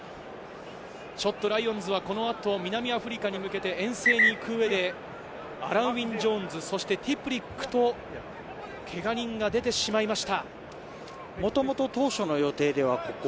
ちょっとライオンズはこの後、南アフリカに向けて遠征に行く上で、アラン＝ウィン・ジョーンズ、そしてティプリックと、けが人が出てしまいました。